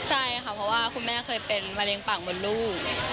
ใช่ค่ะเพราะว่าคุณแม่เคยเป็นมะเร็งปากบนลูก